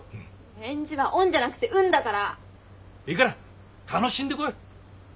返事は「おん」じゃなくて「うん」だから！いいから楽しんでこい。